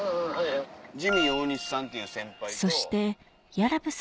ジミー大西さんっていう先輩と。